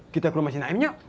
kita kurang masih naik enggak